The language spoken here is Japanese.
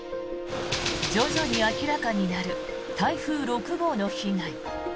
徐々に明らかになる台風６号の被害。